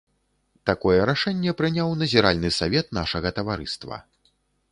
Такое рашэнне прыняў назіральны савет нашага таварыства.